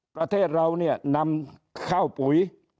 ประเทศเราเนี่ยนำข้าวปุ๋ย